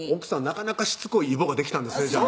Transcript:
なかなかしつこいイボができたんですね